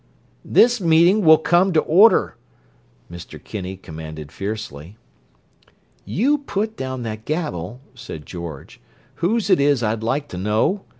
"This meeting will come to order!" Mr. Kinney commanded fiercely. "You put down that gavel," said George. "Whose is it, I'd like to know?